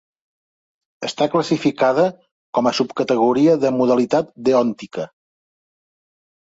Està classificada com a subcategoria de modalitat deòntica.